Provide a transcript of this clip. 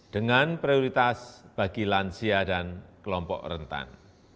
dengan prioritas bagi lansia dan kelompok rentan